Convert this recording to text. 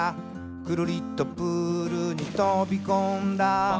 「クルリとプールにとびこんだ」